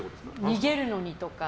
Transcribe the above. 逃げるのにとか。